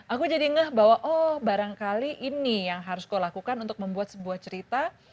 aku jadi ngeh bahwa oh barangkali ini yang harus kau lakukan untuk membuat sebuah cerita